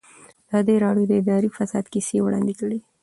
ازادي راډیو د اداري فساد کیسې وړاندې کړي.